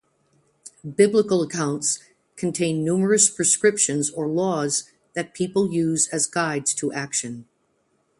Biblical accounts contain numerous prescriptions or laws that people use as guides to action.